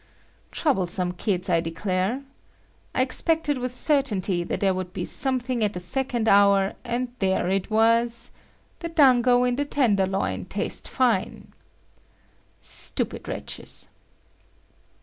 Troublesome kids! I declare. I expected with certainty that there would be something at the second hour, and there it was; "The dango in the tenderloin taste fine." Stupid wretches!